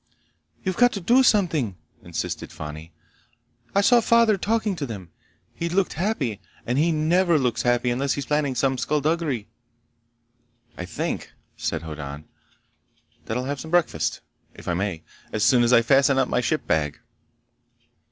"You've got to do something!" insisted Fani. "I saw Father talking to them! He looked happy, and he never looks happy unless he's planning some skulduggery!" "I think," said Hoddan, "that I'll have some breakfast, if I may. As soon as I fasten up my ship bag."